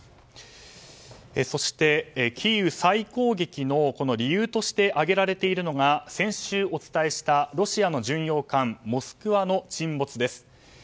そしてキーウ再攻撃の理由として挙げられているのが先週お伝えしたロシアの巡洋艦「モスクワ」の沈没です。